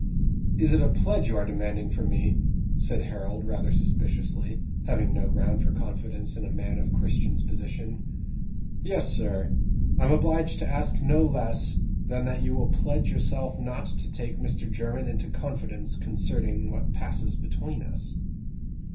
"Is it a pledge you are demanding from me?" said Harold, rather suspiciously, having no ground for confidence in a man of Christian's position. "Yes, sir; I am obliged to ask no less than that you will pledge yourself not to take Mr. Jermyn into confidence concerning what passes between us."